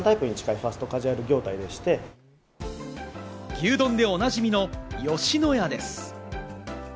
牛丼でおなじみの吉野家です。